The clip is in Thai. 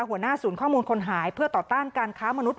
หัวหน้าศูนย์ข้อมูลคนหายเพื่อต่อต้านการค้ามนุษย